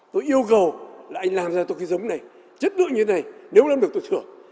tôi yêu cầu là anh làm ra được cái giống này chất lượng như thế này nếu lâm được tôi thưởng